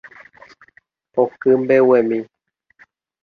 Oky mbeguemi